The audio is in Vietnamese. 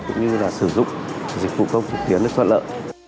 cũng như là sử dụng dịch vụ công trực tuyến rất toàn lợi